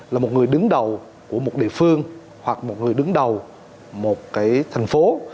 là một người đứng đầu của một địa phương hoặc một người đứng đầu một cái thành phố